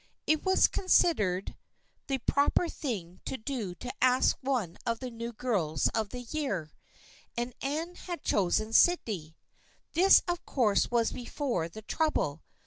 It was considered the proper thing to do to ask one of the new girls of the year, and Anne had chosen Sydney. This of course was before the trouble.